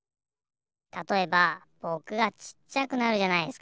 たとえばぼくがちっちゃくなるじゃないっすか。